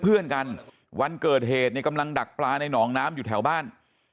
เพื่อนกันวันเกิดเหตุเนี่ยกำลังดักปลาในหนองน้ำอยู่แถวบ้าน